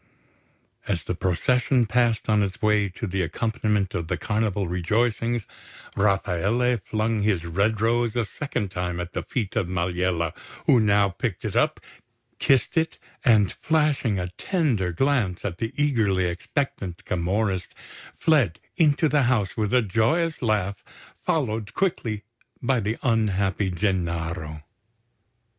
As the procession passed on its way to the accompaniment of the Carnival rejoicings, Rafaele flung his red rose a second time at the feet of Maliella, who now picked it up, kissed it, and flashing a tender glance at the eagerly expectant Camorrist, fled into the house with a joyous laugh, followed quickly by the unhappy Gennaro.